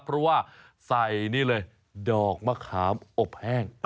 เพราะว่าใส่นี่เลยดอกมะขามอบแห้ง